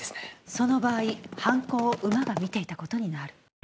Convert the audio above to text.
その場合、犯行を馬が見ていたことになる。